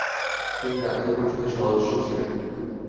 তিনি রাজ্য পরিষদের সদস্য ছিলেন।